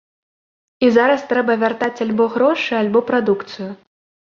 І зараз трэба вяртаць альбо грошы, альбо прадукцыю.